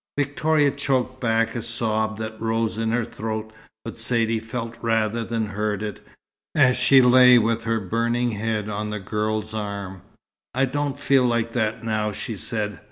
Victoria choked back a sob that rose in her throat, but Saidee felt, rather than heard it, as she lay with her burning head on the girl's arm. "I don't feel like that now," she said.